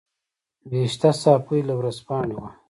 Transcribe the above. بهشته صافۍ له ورځپاڼې وه.